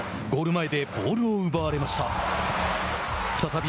ゴール前でボールを奪われました。